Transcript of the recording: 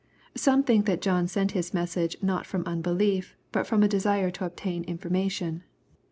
Some think that John sent his message not from unbelief, but ftom a desire to obtain information.